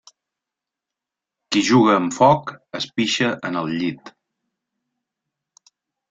Qui juga amb foc es pixa en el llit.